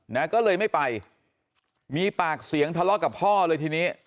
นะก็เลยไม่ไปมีปากเสียงทะเลาะกับพ่อเลยทีนี้